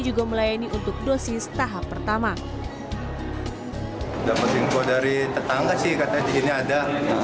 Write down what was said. juga melayani untuk dosis tahap pertama dapat info dari tetangga sih katanya di sini ada